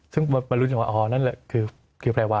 ซึ่งมันรู้สึกว่าอ๋อนั่นแหละคือแผลวะ